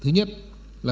và hoàn thành